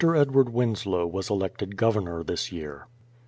Edward Winslow was elected Governor this year.